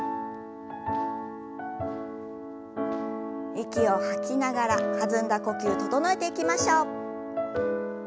息を吐きながら弾んだ呼吸整えていきましょう。